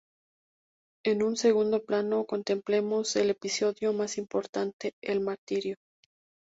En un segundo plano contemplamos el episodio más importante: el martirio.